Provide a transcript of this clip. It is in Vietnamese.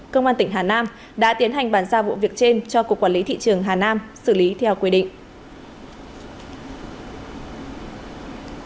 công an tỉnh hà nam đã tiến hành bàn xa vụ việc trên cho cục quản lý thị trường hà nam xử lý theo quy định